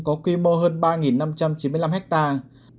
có quy mô hơn ba năm trăm chín mươi năm hectare